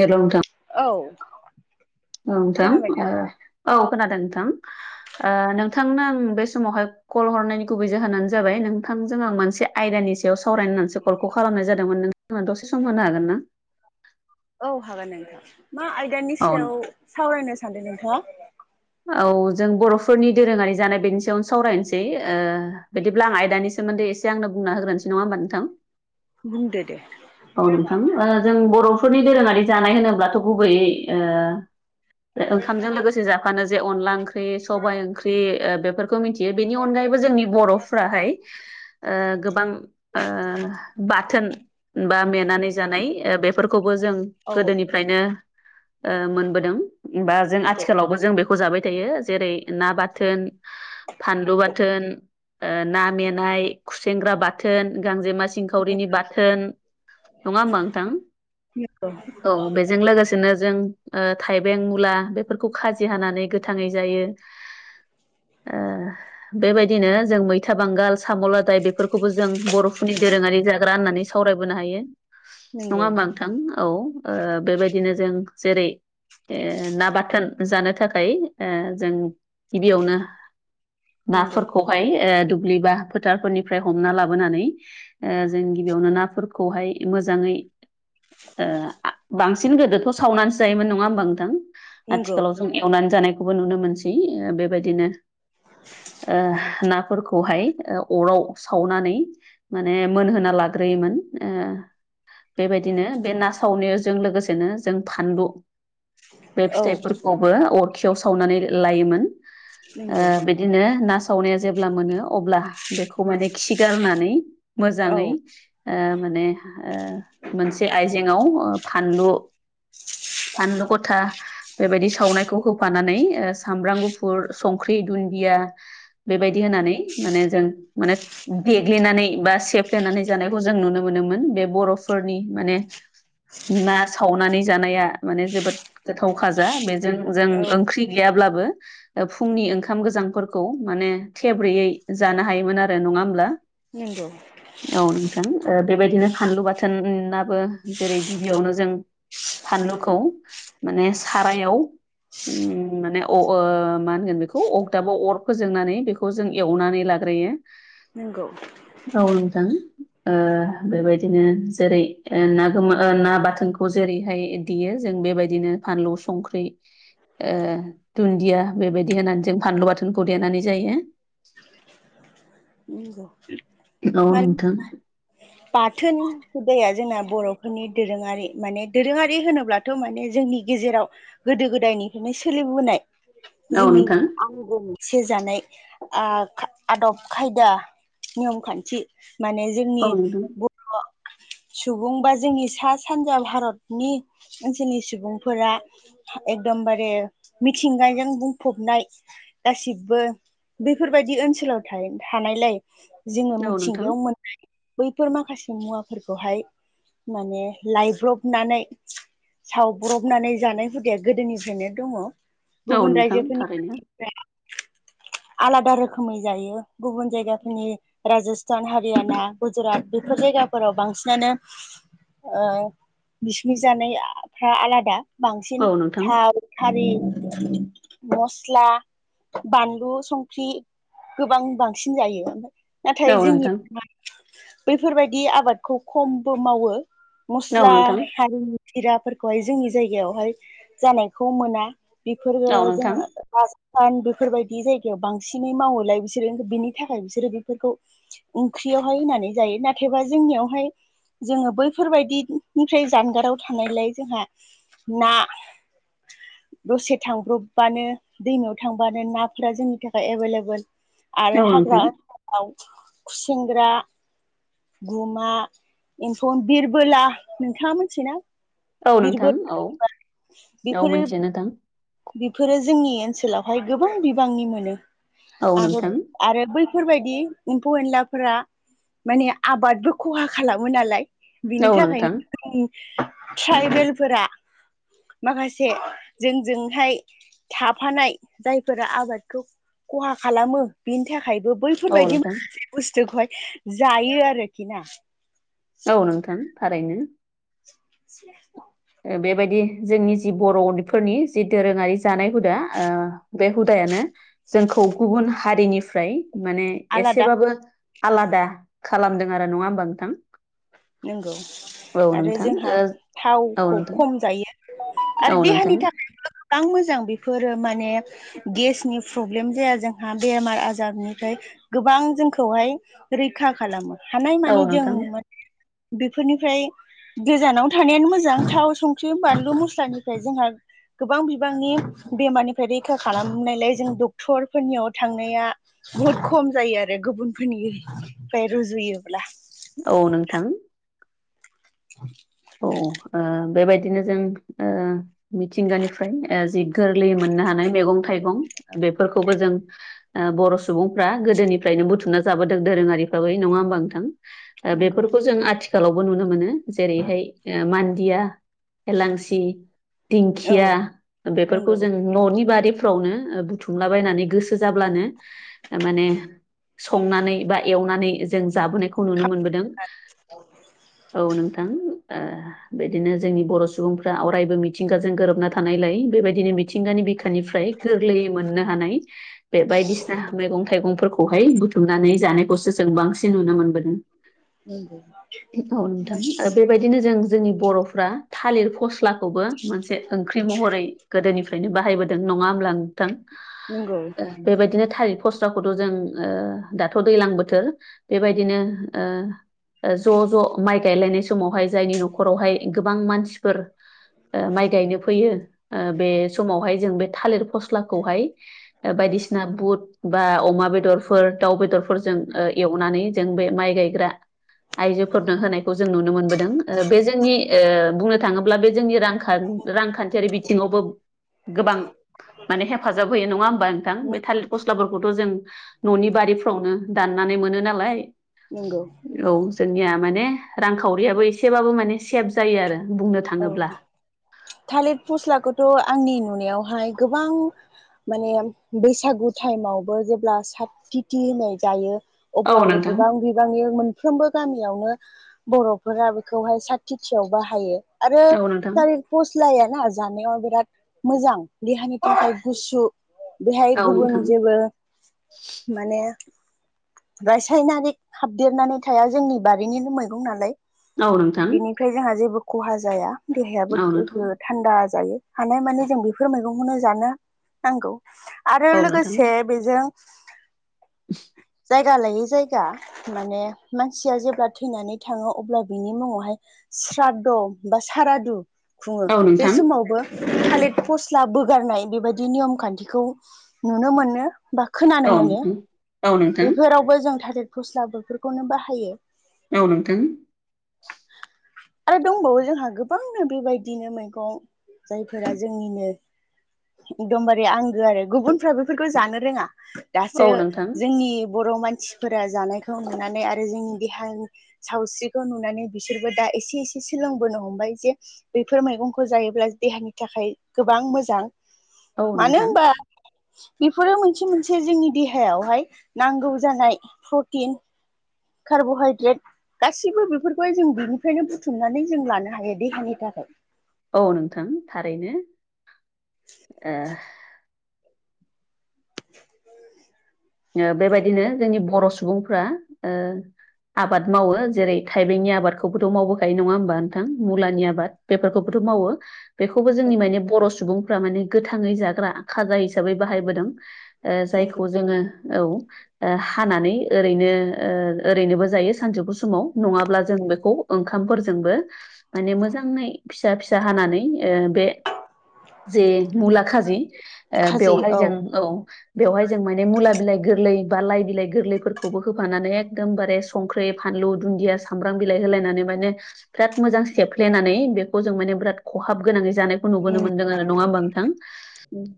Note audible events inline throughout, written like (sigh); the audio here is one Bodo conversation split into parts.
हेलौ नोंथां औ औ नोंथां खोनाबायना औ खोनादों नोंथां ओ नोंथांनो आं बे समावहाय कल हरनायनि गुबै जाहोनानो जाबाय नोंथांजों आं मोनसे आयदानि सायाव सावराय होननानैसो कलखौ खालामनाय जादोंमोन नोंथांमोना दसे सम होनो हागोनना? औ हागोन नोंथां मा आयदानि औ नों सायाव सावरायनो सानदों नोंथां? औ जों बर'फोरनि दोरोङारि जानाय बेनि सायावनो सावरायनोसै ओ बिदिब्ला आं आयदानि सायाव सोमोन्दै एसे आंनो बुंना होग्रोनोसै नङा ओमबा नोंथां। बुंदो दे। अ नोंथां जों बर'फोरनि दोरोङारि जानाय होनोब्लाथ' गुबैयै ओ ओंखामजों लोगोसे जाफानो जे अन ख्रि सबाइ ओंख्रि ओ बेफोरखौ मिथियो बेनि अनगायैबो जोंनि बर'फ्राहाय ओ गोबां ओ बाथोन बा मेनानै जानाय ओ बेफोरखौबो जों औ गोदोनि बायदि फ्रायनो ओ मोनबोदों बा जों नंगौ आथिखालावबो जों बेखौ जाबाय थायो जेरै ना बाथोन फानलु बाथोन ओ ना मेनाय खुसेेंग्रा बाथोन गांजेमा सिंखावरिनि बाथोन नङा ओमबा नोंथां नंगौ औ बेजों लोगो नो जों ओ थाइबें मुला बेफोरखौ खाजि हानानै गोथाङै जायो। ओ बेबायदिनो जों मैथा बांगाल साम' लादाय बेफोरखौबो जों बर'फोरनि दोरोङारि जाग्रा होननानै सावरायबोनो हायो नङा नंगौ होमबा नोंथां औ। बेबायदिनो जों जेरै ना बा जानो थाखाय जों गिबियावनो नंगौ नाफोरखौ दुब्लिबा फोथारफोरनिफ्राय हमना लाबोनानै जों गिबियावनो नाफोरखौहाय मोजाङै। ओ बांसिन गोदोथ' सावनानैसो जायोमोन नङा होमबा नोंथां नंगौ। आथिखालाव जों एवनानै जानायखौबो नुनो मोनसै बेबादिनो नाफोरखौहाय अराव सावनानै माने मोनहोना लाग्रोयोमोन ओ। बेबायदिनो बे ना सावनायजों लोगोसेनो जों फानलु बे औ फिथाइफोरखौबो अरखियाव सावनानै लायोमोन ओ नंगौ बि बिदिनो ना सावनाया जेब्ला मोनो अब्ला बेखौ माने खि गारनानै औ मोजाङै ओ माने ओ मोनसे आइजेंआव फानलु फानलु' गथा बेबायदि सावनायखौ होफानानै ओ सामब्राम गुफुर संख्रि, दुन्दिया बेबादि होनानै माने जों माने देग्लिनानै बा सेफ्लेनानै जानायखौ जों नुनो मोनोमोन बे बर'फोरनि माने ना सावनानै जानाया माने जोबोद गोथाव खाजा बेजों जों औ ओंख्रि गैयाब्लाबो फुंनि ओंखाम गोजांफोरखौ माने थेब्रैयै जानो हायोमोन आरो नङा होमब्ला? नंगौ। औ नोंथां बेबायदिनो फानलु बाथोनाबो जेरै गिबियावनो जों फानलुखौ माने सारायाव माने अ मा होनगोन बेखौ अगदाबाव अर फोजोंनानै बेखौ खौ जों एवनानै लाग्रोयो। नंगौ। औ नोंथां। बेबायदिनो जेरै ना गो ना बाथोनखौ जेरैहाय देयो जों बेबायदिनो फानलु, संख्रि दुन्दिया बेबायदि होनानै जों फानलु बाथोनखौ देनानै जायो। नंगौ औ माने नोंथां बाथोन हुदाया जोंना बर'फोरनि दोरोङारि माने दोरोङारि होनोब्ला दाथ' माने जोंनि गेजेराव गोदो गोदायनिफ्रायनो सोलिबोनाय औ जोंनि नोंथां आंजोंसे (unintelligible) जानाय आदब खायदा नियम खान्थि माने औ जोंनि नोंथां बर' सुबुं बा जोंनि सा सानजा भारतनि ओनसोलनि सुबुंफोरा एकदमबारे मिथिंगाजों बुंफबनाय गासिबो बेफोरबायदि ओनसोलाव थानायलाय जोङो औ नोंथां मिथिंगायाव मोन बैफोर माखासे मुवाफोरखौहाय माने लायब्रबनानै सावब्रबनानै जानाय हुदाया गोदोनिफ्रायनो दङ औ गुबुन नोंथां थारैनो रायजोफोरनि आलादा रोखोमै जायो गुबुन जायगा नि राजस्थान हारियाना गुजरात बेफोर जायगाफोराव बांसिनानो बिसनि जानायफ्रा आलादा बांसिन औ नोंथां थाव थारि मस्ला बानलु संख्रि गोबां बांसिन जायो नाथाय औ जोंनि नोंथां बैफोरबायदि आबादखौ खमबो मावो औ मस्ला नोंथां हारिनि जिराफोरखौहाय जोंनि जायगायावहाय जानायखौ मोना बेफोरो औ नोंथां जोङो फान बेफोरबायदि जायगायाव बांसिनै मावोलाय बिसोरो बेनि थाखाय बिसोरो बेफोरखौ ओंख्रियावहाय होननानै जायो नाथायबा जोंनियावहाय जोङो बैफोरबायदिनिफ्राय जानगाराव थानायलाय जोंहा ना दसे थांब्र'बबानो दैमायाव थांबानो नाफोरा जोंनि थाखाय एभेलेबल आरो औ नोंथां हाग्रा याव खुसेंग्रा गुमा एमफौ बिरबोला नोंथाङा मिथियो ना औ नोंथां औ औ मोनथियो नोंथां बिफोरो जोंनि ओनसोलावहाय गोबां बिबांनि मोनो औ आरो नोंथां आरो बैफोरबायदि एमफौ एनलाफोरा माने आबादबो खहा खालामो नालाय बिनि औ नोंथां थाखायनो ट्राइबेलफोरा माखासे जोंजों थाफानाय जायफोरा आबादखौ खहा खालामो बिनि थाखायबो औ बैफोरबायदि नोंथां माखासे बुस्थुखौहाय जायो आरोखि ना औ नोंथां थारैनो (unintelligible) बेबायदि जोंनि जि बर'फोरनि जि दोरोङारि जानाय हुदा ओ बे हुदायानो जोंखौ गुबुन हारिनिफ्राय माने आलादा एसेबाबो आलादा खालामदों आरो नङा होमबा नोंथां नंगौ आरो जोंहा औ नोंथां ओ औ थावखौ नोंथां खम जायो आरो औ नोंथां देहानि थाखाय गोबां मोजां बेफोरो माने गेसनि प्रब्लेम जाया जोंहा बेमार आजारनिफ्राय गोबां जोंखौहाय रैखा खालामो औ हानायमानि जों नोंथां बेफोरनिफ्राय गोजानावनो थानायानो मोजां थाव संख्रि बानलु मस्ला साननिफ्राय जोंहा गोबां बिबांनि बेमारनिफ्राय रैखा खालामनायलाय जों डक्टरफोरनियाव थांनाया बुहुद खम जायो आरो गुबुनफोरनिफ्राय रुजुयोब्ला औ नोंथां (inaudible) औ बेबायदिनो जों मिथिंगानिफ्राय ओ जि गोरलै मोननो हानाय मैगं थाइगं बेफोरखौबो जों ओ बर' सुबुंफ्रा गोदोनिफ्रायनो बुथुमना जाबोदों दोरोङारि फाबै नङा होमबा नोंथां नंगौ बेफोरखौ जों आथिखालावबो नुनो मोनो जेरैहाय ओ मान्दिया एलांसि औ दिंखिया बेफोरखौ नंगौ जों न'नि बारिफ्रावनो बुथुमलाबायायनानै गोसो जाब्लानो थारमाने संनानै बा एवनानै जों जाबोनायखौ नुनो मोनबोदों औ नोंथां। बिदिनो जोंनि बर' सुबुंफ्रा अरायबो मिथिंगाजों गोरोबना थानायलाय बेबायदिनो मि थिंगानि बिखानिफ्राय गोरलैयै मोननो हानाय बे बायदिसिना मैगं थाइगंफोरखौहाय बुथुमनानै जानायखौसो जों बांसिन नुनो मोनबोदों। औ नोंथां (unintelligible) बेबायदिनो जों जोंनि बर'फ्रा थालिर फस्लाखौबो मोनसे ओंख्रि महरै गोदोनिफ्रा यनो बाहायबोदों नङा होमब्ला नोंथां? नंगौ बेबायदिनो थारिख फस्लाखौथ' जों दाथ' दैज्लां बोथोर बेबायदिनो ओ ज' ज' माइ गायलायनाय सम समावहाय जायनि न'खरावहाय गोबां मानसिफोर ओ माइ गायनो फैयो। ओ बे समावहाय जों बे थालिर फस्लाखौहाय ओ बायदिसिना बुट बा अमा बेदरफोर दाउ बेदरफोरजों एवनानै जों बे माइ गायग्रा आइजोफोरनो होनायखौ जों नुनो मोनबोदों बे जोंनि ओ बुंनो थाङोब्ला बे जोंनि रां रांखान्थियारि बिथिङावबो गोबां माने हेफाजाब होयो नङा होमबा नोंथां बे थालिर फस्लाफोरखौथ' जों न'नि बारिफ्रावनो दा नानै मोनो नालाय। नंगौ औ जोंनिया माने रांखावरियाबो एसेबाबो माने सेब जायो आरो बुंनो औ थाङोब्ला थालिर फस्लाखौथ' आंनि नुनायावहाय गोबां माने बैसागु टाइमावबो जेब्ला साथिथि होननाय जायो औ अब्लाबो नोंथां गोबां बि बांनि मोनफ्रोमबो गामियावनो बर'फोरा बेखौहाय साथिथियाव बाहायो। आरो औ नोंथां थालिर फस्लायाना जानायाव बिराद मोजां देहानि थाखाय गुसु। बेहाय औ गुबुन नोंथां जेबो माने रासायनारिक हाबदेरनानै थाया जोंनि बारिनिनो मैगं नालाय। औ नोंथां बेनिखाय जोंहा जेबो खहा जाया देहायाबो औ नोंथां गोगगो थानदा जायो हानाय मानि जों बेफोर मैगंखौनो जानो नांगौ। आरो औ नोंथां लोगोसे बेजों (inaudible) जायगा लायै जायगा माने मानसिया जेब्ला थैनानै थाङो अब्ला बिनि मुङावहाय स्राद बा सारादु खुङो औ बे नोंथां समावबो थालिर फस्ला बोगारनाय बेबायदि नियम खान्थिखौ नुनो मोनो। बा खोनानो औ मोनो नोंथां बेफोरावबो जों थालिर फस्ला बेफोरखौनो बाहायो। औ नोंथां आरो दंबावो जोंहा गोबांनो बेबायदिनो मैगं जायफोरा जोंनिनो एकदमबारे आंगो आरो गुबुनफ्रा बेफोरखौ जानो रोङा दासो औ नोंथां जोंनि बर' मानसिफोरा जानायखौ नुनानै आरो जोंनि देहानि सावस्रिखौ नुनानै बिसोरबो दा एसे एसे सोलोंबोनो हमबाय जे बेफोर मैगंखौ जायोब्ला देहानि थाखाय गोबां मोजां औ मानो नोंथां होनबा बेफोरो मोनसे मोनसे जोंनि देहायावहाय नांगौ जानाय प्रटिन कार्ब'हाइद्रेद गाैबो बेफोरखौहाय जों बिनिफ्रायनो बुथुमनानै जों लानो हायो देहानि थाखाय। औ नोंथां थारैनो। (inaudible) ओ बेबायदिनो जोंनि बर' सुबुंफ्रा ओ आबाद मावो जेरै थाइबेंनि आबादखौबोथ' मावबोखायो नङा होमबा नों थां मुलानि आबाद बेफोरखौबोथ' मावो बेखौबो जोंनि औ माने बर' सुबुं फ्रा माने गोथाङै जाग्रा खाजा हिसाबै बाहायबोदों ओ जायखौ नंगौ जोङो औ ओ हानानै ओरैनो ओ ओरैनोबो जायो सानजौफु समाव नङाब्ला जों बेखौ ओंखामफोरजोंबो माने मोजाङै फिसा फिसा हानानै ओ बे जे मुला खाजि ओ बेवहाय जों औ बेवहाय जों माने मुला बिलाइ गोरलै बा लाइ बिलाइ गोरलै फोरखौबो होफानानै एकदम बारे संख्रि, फानलु, दुनदिया सामब्रां बिलाइ होलायनानै माने बिराद मोजां सेफ्लेनानै बेखौ जों माने बिराद ख'हाब गोनाङै जानाय खौ नुबोनो मोनदों आरो नङा होमबा नोंथां? ओम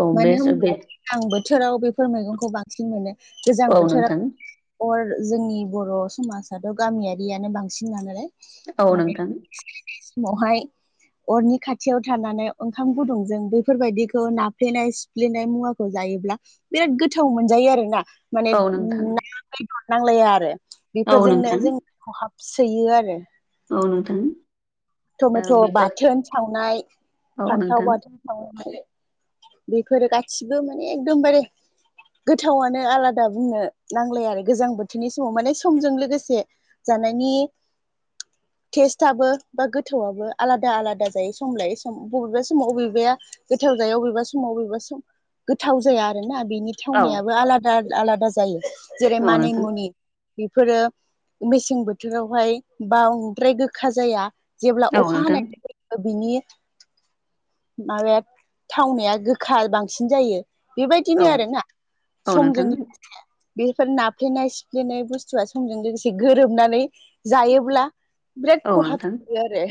औ बे मानो बे होनबा गोजां बोथोराव बेफोर मैगंखौ बांसिन मोनो गोजां औ बोथोर नोंथां अर जोंनि बर' समाजाथ' गामियारियानो बांसिन नालाय औ माने नोंथां समावहाय अरनि खाथियाव थानानै ओंखाम गुदुंजों बै फोरबायदिखौ नाफ्लेनाय सिफ्लेनाय मुवाखौ जायोब्ला बिराद गोथाव मोनजायो आरोना माने औ नोंथां ना बेदर नांलाया आरो औ बेफोरजोंनो नोंथां जों ख'हाबसोयो आरो औ नोंथां ओ थमेथ' बेफोर बाथोन सावनाय, औ फान्थाव नोंथां बाथोन सावनाय बेफोरो गासिबो माने एकदमबारे गोथावानो आलादा बुंनो नांलाया आरो गोजां बोथोरनि समाव माने समजों लोगोसे जानायनि थेस्टाबो बा गोथौआबो आलादा आलादा जायो सम लायै सम बबेबा समाव बबेबाया गोथाव जायो बबेबा समाव बबेबा सम गोथाव जाया आरोना बेनि औ थावनायाबो आलादा आलादा जायो जेरै औ नोंथां मानिमुनि बेफोरो मेसें बोथोरावहाय बांद्राय गोखा जाया जेब्ला औ अखा नोंथां हानाय (unintelligible) बिनि माबाया थावनाया गोखा बांसिन जायो बेबायदिनो औ आरोना औ समजों नोंथां बेफोर नाफ्लेनाय सिफ्लेनाय बुस्थुआ समजों लोगोसे गोरोबनानै जायोब्ला बिराद औ खहाब नोंथां आरो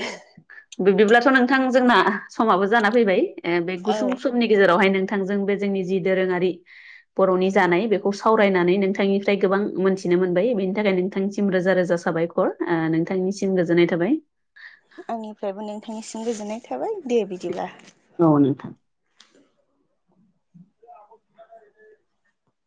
बिब्दिब्लाथ' नोंथां जोंना समाबो जाना फैबाय ओ बे औ गुसुं समनि गेजेरावहाय नोंथांजों बे जोंनि जि दोरोङारि बर'नि जानाय बेखौ सावरायनानै नोंथांनिफ्राय गोबां मोनथिनो मोनबाय बेनि थाखाय नोंथांनिसिम रोजा रोजा साबाय (unintelligible) ओ नोंथांनिसिम गोजोननाय थाबाय आंनिफ्रायबो नोंथांनिसिम गोजोननाय थाबाय दे बिदिब्ला नंगौ नोंथां